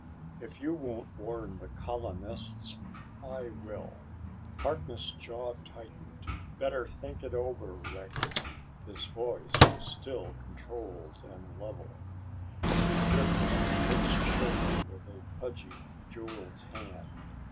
"If you won't warn the colonists, I will." Harkness' jaw tightened. "Better think it over, Rick." His voice was still controlled and level. He gripped Rick's shoulder with a pudgy, jeweled hand.